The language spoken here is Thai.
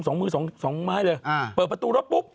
สองมือสองไม้เลยเปิดประตูแล้วปุ๊บ